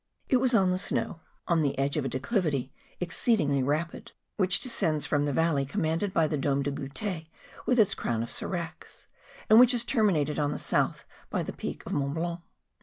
It was on the snow, on the MONT BLANC. 11 edge of a declivity exceedingly rapid, which descends from the valley commanded by the Dome de Groute with its crown of seracs* and which is terminated on the south by the peak of Mont Blanc.